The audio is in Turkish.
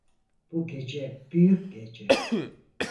Bu gece büyük gece.